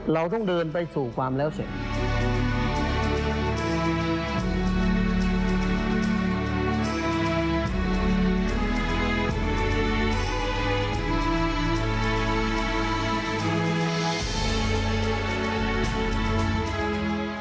เราต้องเดินไปสู่ความแล้วเสร็จ